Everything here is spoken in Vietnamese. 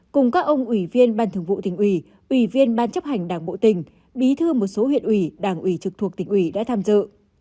cùng các ông ủy viên ban thường vụ tỉnh uỷ ủy viên ban chấp hành đảng bộ tỉnh bí thư một số huyện uỷ đảng uỷ trực thuộc tỉnh uỷ đã tham dự